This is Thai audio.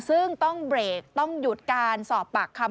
ซึ่งต้องเบรกต้องหยุดการสอบปากคำ